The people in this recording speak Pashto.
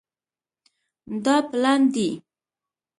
دا پلن دی